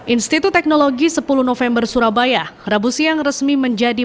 institut teknologi sepuluh november surabaya rabu siang resmi menjadi